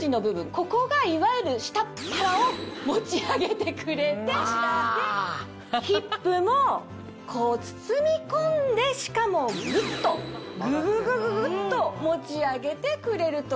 ここがいわゆる下っ腹を持ち上げてくれてヒップも包み込んでしかもグッとグググググっと持ち上げてくれる。